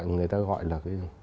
người ta gọi là